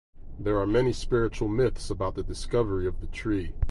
There are many spiritual myths about the discovery of the tree.